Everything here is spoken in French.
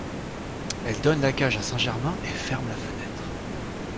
Elle donne la cage à Saint-Germain et ferme la fenêtre.